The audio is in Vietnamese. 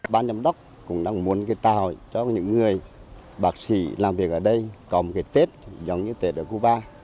ban giám đốc cũng đang muốn cái tàu cho những người bác sĩ làm việc ở đây có một cái tết giống như tết ở cuba